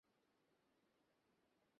ওতে যে অপরাধ হচ্ছে।